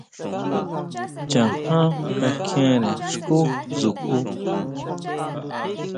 Chaján kakjiénre xkú dsjukʼu.